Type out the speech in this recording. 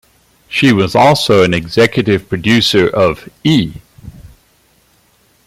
She was also an executive producer of E!